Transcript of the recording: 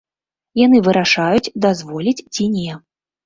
Яны вырашаюць, дазволіць ці не.